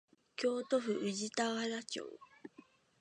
京都府宇治田原町